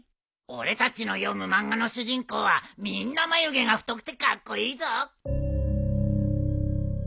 俺たちの読む漫画の主人公はみんな眉毛が太くてカッコイイぞ！